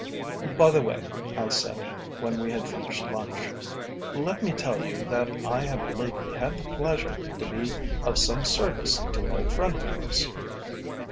"By the way," I said, when we had finished lunch, "let me tell you that I have lately had the pleasure to be of some service to an old friend of yours."